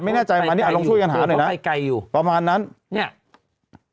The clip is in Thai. ไม่แน่ใจมานี่อ่ะลองช่วยกันหาหน่อยนะไกลอยู่ประมาณนั้นเนี่ย